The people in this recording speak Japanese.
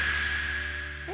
え？